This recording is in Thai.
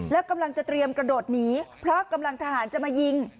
แล้วกำลังจะเตรียมกระโดดหนีเพราะกำลังทหารจะมายิง